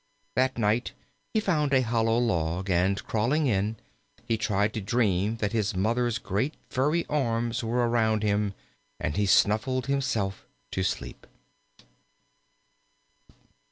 That night he found a hollow log, and crawling in, he tried to dream that his Mother's great, furry arms were around him, and he snuffled himself to sleep.